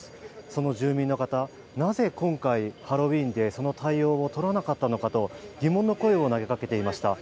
その住民の方、なぜ今回、ハロウィーンでその対応をとらなかったのかと疑問の声を投げかけていました。